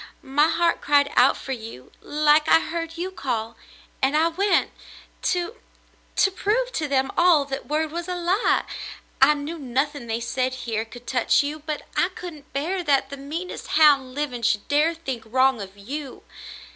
My heart cried out for you — like I heard you call — and I went — to — to prove to them all that word was a lie. I knew nothing they said here could touch you, but I couldn't bear that the meanest hound living should dare think wrong of you.